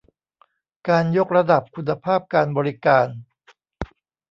การยกระดับคุณภาพการบริการ